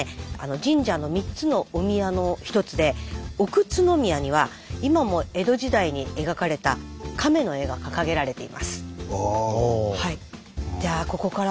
神社の３つのお宮の１つで奥津宮には今も江戸時代に描かれた亀の絵が掲げられています。